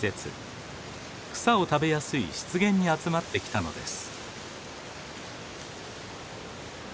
草を食べやすい湿原に集まってきたのです。